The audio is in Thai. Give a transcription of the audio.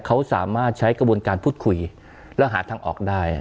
เขาสามารถใช้กระบวนการพูดคุยแล้วหาทางออกได้